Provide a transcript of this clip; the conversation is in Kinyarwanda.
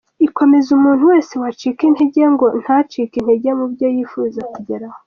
Ikomeza umuntu wese wacika intege ngo ntacike intege mu byo yifuza kugeraho.